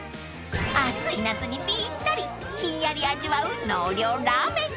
［暑い夏にぴったりひんやり味わう納涼ラーメン］